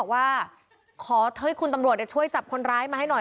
ว่าขอให้คุณตำรวจช่วยจับคนร้ายมาให้หน่อย